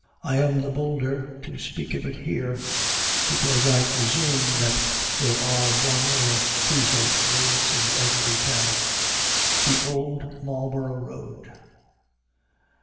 I am the bolder to speak of it here, because I presume that there are one or two such roads in every town. THE OLD MARLBOROUGH ROAD.